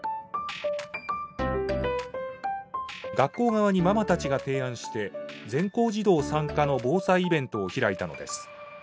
学校側にママたちが提案して全校児童参加の防災イベントを開いたのです。